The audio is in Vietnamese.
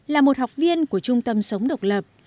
là một học viên của trung tâm sống độc lập